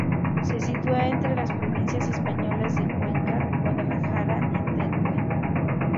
Se sitúa entre las provincias españolas de Cuenca, Guadalajara y Teruel.